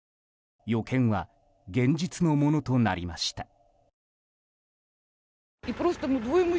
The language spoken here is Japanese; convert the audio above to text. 予見は現実のものとなりました。